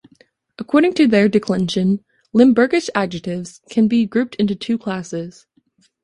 According to their declension, Limburgish adjectives can be grouped into two classes.